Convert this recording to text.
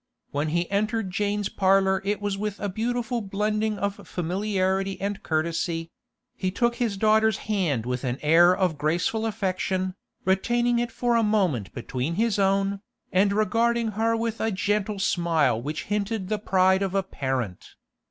When he entered Jane's parlour it was with a beautiful blending of familiarity and courtesy; he took his daughter's hand with an air of graceful affection, retaining it for a moment between his own, and regarding her with a gentle smile which hinted the pride of a parent.